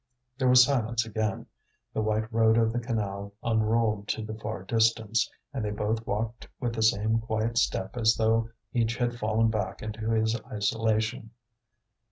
There was silence again. The white road of the canal unrolled to the far distance, and they both walked with the same quiet step as though each had fallen back into his isolation.